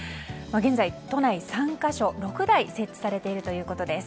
現在、都内３か所、６台設置されているということです。